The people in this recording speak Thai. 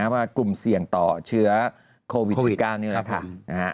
ว่ากลุ่มเสี่ยงต่อเชื้อโควิด๑๙นี่แหละค่ะ